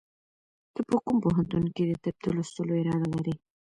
ته په کوم پوهنتون کې د طب د لوستلو اراده لرې؟